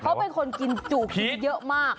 เขาเป็นคนกินจู่ผีเยอะมาก